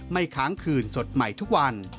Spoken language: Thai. ค้างคืนสดใหม่ทุกวัน